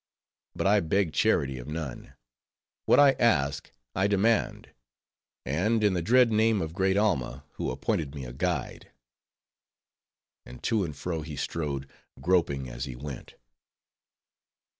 —But I beg charity of none. What I ask, I demand; and in the dread name of great Alma, who appointed me a guide." And to and fro he strode, groping as he went.